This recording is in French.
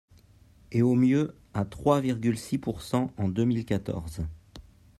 et au mieux à trois virgule six pourcent en deux mille quatorze.